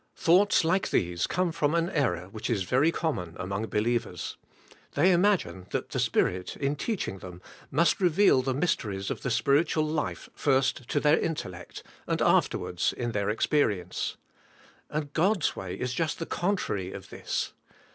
Thoughts like these come from an error which is very common among believers. They imagine that the Spirit, in teaching them, must reveal the mys teries of the spiritual life first to their intellect, and afterwards in their experience. And God's way is just the contrary of this.